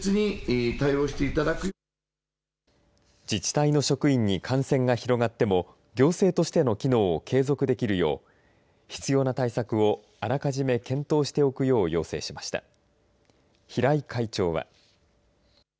自治体の職員に感染が広がっても行政としての機能を継続できるよう必要な対策をあらかじめ検討しておくよう要請しました。